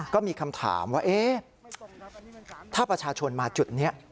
ก็มีคำถามว่าเอ๊ะถ้าประชาชนมาจุดนี้